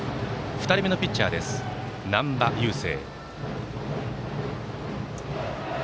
２人目のピッチャー、難波佑聖。